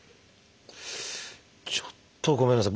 ちょっとごめんなさい。